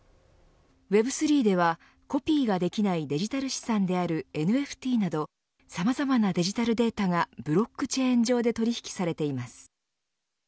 Ｗｅｂ３ではコピーができないデジタル資産であるＮＦＴなどさまざまなデジタルデータがブロックチェーン上で取り引きされています。